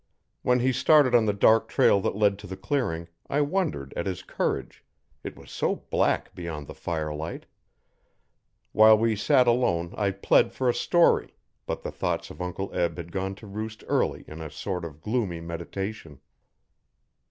When he started on the dark trail that led to the clearing, I wondered at his courage it was so black beyond the firelight. While we sat alone I plead for a story, but the thoughts of Uncle Eb had gone to roost early in a sort of gloomy meditation.